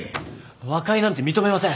和解なんて認めません。